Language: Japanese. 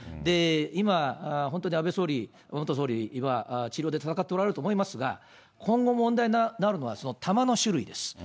今、本当に安倍元総理は、治療で闘っておられると思いますが、今後、問題になるのは弾の種類です。